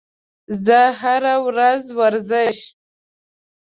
زه هره ورځ ورزش